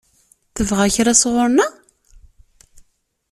Tebɣa kra sɣur-neɣ?